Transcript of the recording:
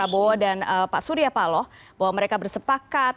dan ditunjukkan oleh pak prabowo dan pak surya paloh bahwa mereka bersepakat